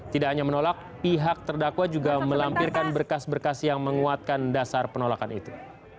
tidak hanya menolak pihak terdakwa juga melampirkan berkas berkas yang menguatkan dasar penolakan itu